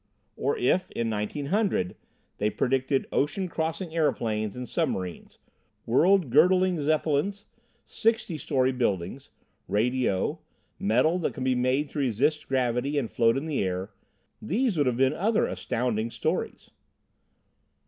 Or if, in 1900, they predicted ocean crossing airplanes and submarines, world girdling Zeppelins, sixty story buildings, radio, metal that can be made to resist gravity and float in the air these would have been other "astounding" stories.